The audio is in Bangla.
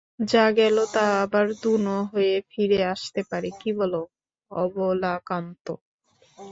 যা গেল তা আবার দুনো হয়ে ফিরে আসতে পারে, কী বল অবলাকান্ত?